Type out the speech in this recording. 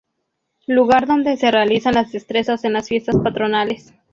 Lugar donde se realizan las destrezas en las Fiestas Patronales.